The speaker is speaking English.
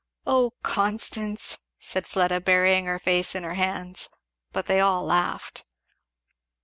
"Oh Constance!" said Fleda, burying her face in her hands. But they all laughed.